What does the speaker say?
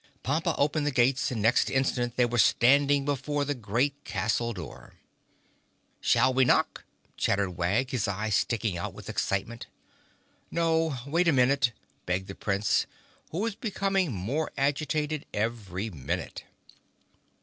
Pompa opened the gates and next instant they were standing before the great castle door. "Shall we knock?" chattered Wag, his eyes sticking out with excitement. "No! Wait a minute," begged the Prince, who was becoming more agitated every minute.